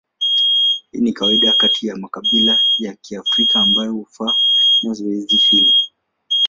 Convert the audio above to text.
Hii ni kawaida kati ya makabila ya Kiafrika ambayo hufanya zoezi hili.